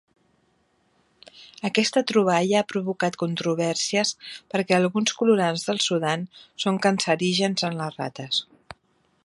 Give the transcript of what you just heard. Aquesta troballa ha provocat controvèrsies perquè alguns colorants del Sudan són cancerígens en les rates.